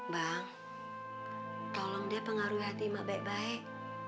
bang tolong deh pengaruhi hati emak baik baik